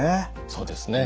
そうですね。